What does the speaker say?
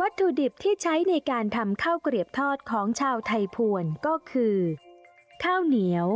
วัตถุดิบที่ใช้ในการทำข้าวเกลียบทอดของชาวไทยภวรก็คือข้าวเหนียว